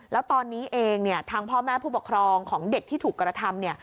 แล้วตอนนี้เองทางพ่อแม่ผู้ปกครองของเด็กที่ถูกกระทำ